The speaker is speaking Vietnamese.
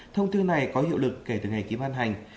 thông tư này có hiệu lực kể từ ngày ký ban hành